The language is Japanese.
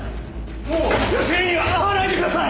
もう佳美には会わないでください！